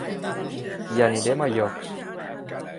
I anirem a llocs!